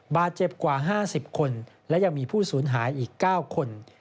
บาดเจ็บกว่า๕๐คนและยังมีผู้สูญหายอีก๙คน